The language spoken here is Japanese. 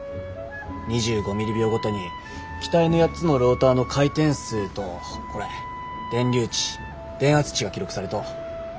２５ミリ秒ごとに機体の８つのローターの回転数とこれ電流値電圧値が記録されとう。